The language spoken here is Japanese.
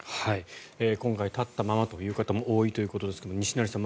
今回立ったままという方も多いということですが西成さん